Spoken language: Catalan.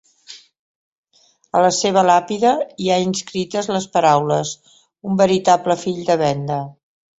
A la seva làpida hi ha inscrites les paraules "Un veritable fill de Venda".